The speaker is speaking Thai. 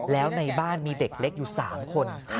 แล้วในบ้านมีเด็กเล็กอยู่๓คน